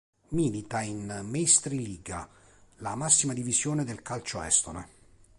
Milita in Meistriliiga, la massima divisione del calcio estone.